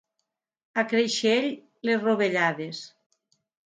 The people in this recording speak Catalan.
A Creixell, les rovellades.